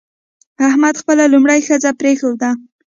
احمد خپله لومړۍ ښځه پرېښوده.